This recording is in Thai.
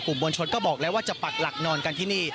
มวลชนก็บอกแล้วว่าจะปักหลักนอนกันที่นี่